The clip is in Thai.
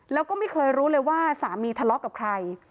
แล้วก็ไม่เคยรู้เลยว่าสามีทะเลาะกับใคร